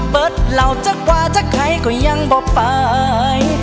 เปิดเหล้าจักรวรรค์จากใครก็ยังบ่ไป